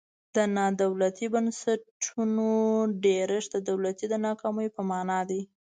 د نا دولتي بنسټونو ډیرښت د دولت د ناکامۍ په مانا دی.